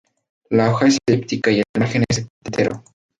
La hoja es elíptica y el margen es entero.